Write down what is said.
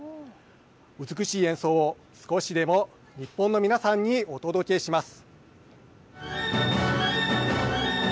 美しい演奏を少しでも日本の皆さんにお届けします。